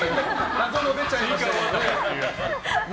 謎の出ちゃいましたけどね。